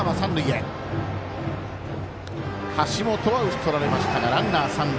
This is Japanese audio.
橋本は打ち取られましたがランナーは三塁。